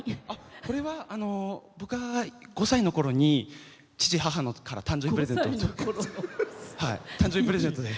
これは僕が５歳のころに父、母から誕生日プレゼントで。